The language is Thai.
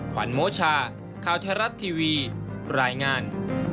ขวัญโมชาข่าวไทยรัฐทีวีรายงาน